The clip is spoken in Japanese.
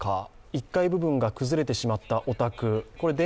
１階部分が崩れてしまったお宅。